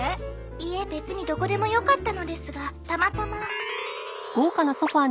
いえ別にどこでもよかったのですがたまたま。